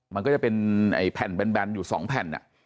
มันก็จะเป็นแผ่นแบนอยู่๒แผ่น